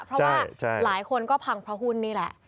เพราะว่าหลายคนก็พังเพราะหุ้นนี่แหละ